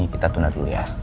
kita tunda dulu ya